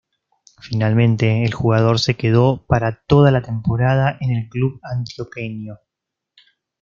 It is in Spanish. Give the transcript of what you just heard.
Finalmente, el jugador se quedó para toda la temporada en el club antioqueño.